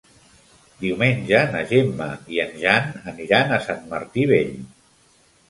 Diumenge na Gemma i en Jan aniran a Sant Martí Vell.